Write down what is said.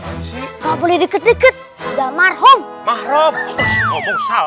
eh kamu juga nggak boleh deket deket ya pak setan tapi di mana ya pak setan